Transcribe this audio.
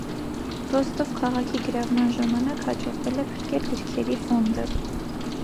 Ռոստով քաղաքի գրավման ժամանակ հաջողվել է փրկել գրքերի ֆոնդը։